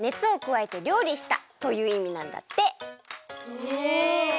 へえ！